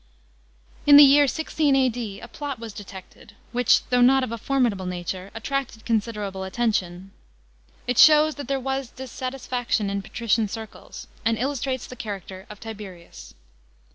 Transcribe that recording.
§ 16. In the year 16 A.D. a plot was detected, which, though not of a formidable nature, attracted considerable attention. It shows that there was dissatisfaction in patrician circles, and illustrates the character of Tiberius.